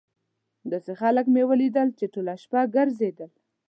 داسې خلک مې ولیدل چې ټوله شپه ګرځېدل.